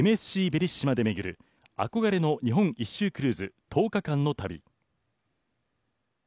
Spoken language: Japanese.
「ＭＳＣベリッシマ」で巡る憧れの日本一周クルーズ１０日間の旅。